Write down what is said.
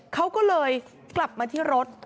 กลับมาที่รถ